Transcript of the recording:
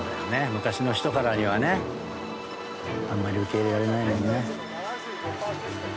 昔の人とかにはねあんまり受け入れられないもんね。